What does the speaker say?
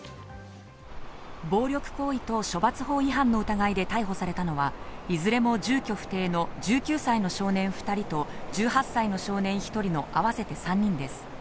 暴力行為等処罰法違反の疑いで逮捕されたのは、いずれも住居不定の１９歳の少年２人と１８歳の少年１人の合わせて３人です。